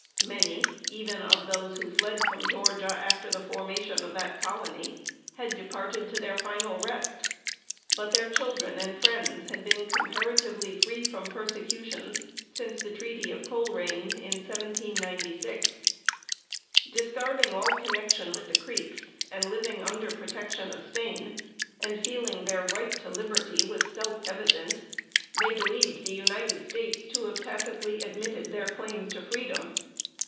Many, even of those who fled from Georgia after the formation of that colony, had departed to their final rest; but their children and friends had been comparatively free from persecutions since the Treaty of Colerain, in 1796. Discarding all connection with the Creeks, and living under protection of Spain, and feeling their right to liberty was "self evident," they believed the United States to have tacitly admitted their claims to freedom.